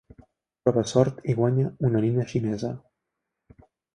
Prova sort i guanya una nina xinesa.